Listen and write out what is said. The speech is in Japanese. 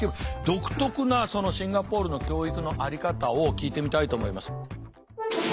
独特なそのシンガポールの教育の在り方を聞いてみたいと思います。